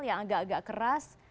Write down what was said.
yang agak agak keras